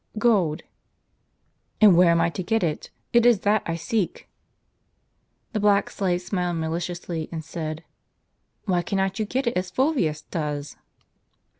'' "Gold." " And where am I to get it? it is that I seek." The black slave smiled maliciously, and said : "Why cannot you get it as Fulvius does?"